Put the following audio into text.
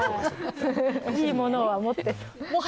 いいものはもってそう。